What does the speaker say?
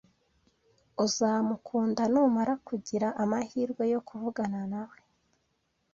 Uzamukunda numara kugira amahirwe yo kuvugana nawe